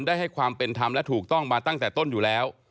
ให้ความเป็นธรรมและถูกต้องมาตั้งแต่ต้นอยู่แล้ว